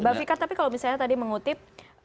mbak fika tapi kalau misalnya tadi mengutip